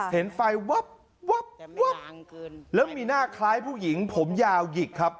เห็นไฟวับแล้วมีหน้าคล้ายผู้หญิงผมยาวหยิกครับ